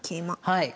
はい。